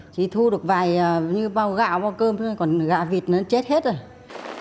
chỉ thu được vài bao gạo bao cơm còn gạo vịt nó chết hết rồi